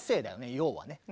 要はね。